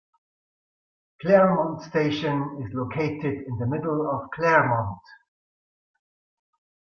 Claremont station is located in the middle of Claremont.